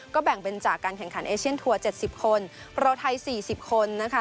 ก็แบ่งเป็นจากการแข่งขันตัวเบียบสิบคนโปรไทยสี่สิบคนนะคะ